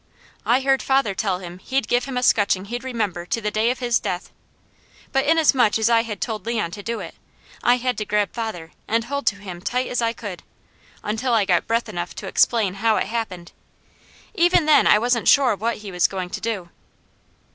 I heard father tell him he'd give him a scutching he'd remember to the day of his death; but inasmuch as I had told Leon to do it, I had to grab father and hold to him tight as I could, until I got breath enough to explain how it happened. Even then I wasn't sure what he was going to do.